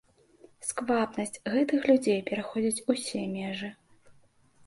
Сквапнасць гэтых людзей пераходзіць усе межы.